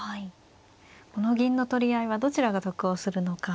この銀の取り合いはどちらが得をするのか。